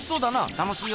楽しいよ。